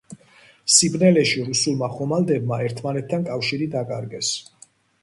სიბნელეში რუსულმა ხომალდებმა ერთმანეთთან კავშირი დაკარგეს.